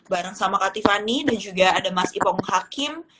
bareng sama kak tiffany dan juga ada mas ipong hakim